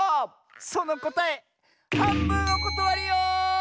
そのこたえはんぶんおことわりよ！